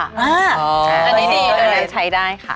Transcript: อันนี้ดีอันนั้นใช้ได้ค่ะ